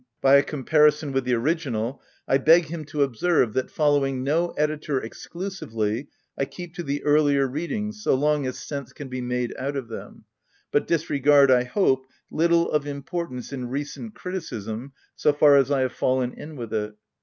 viii • parlson with the original, I beg him to observe that, following no editor exclusively, I keep to the earlier readings so long as sense can be made out of them, but disregard, I hope, little of importance in recent criticism so far as I have fallen in with it.